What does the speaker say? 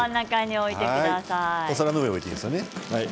お皿の上に置いていいですよね。